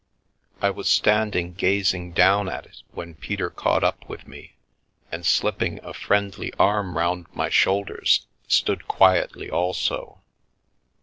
I was standing gazing down at it, when Peter caught up with me, and slipping a friendly arm round my shoulders, stood quietly also.